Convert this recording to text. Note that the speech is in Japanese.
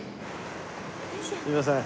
すいません。